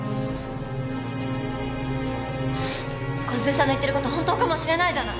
梢さんの言ってること本当かもしれないじゃない。